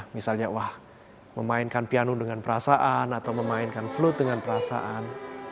misalnya wah memainkan pianun dengan perasaan atau memainkan flu dengan perasaan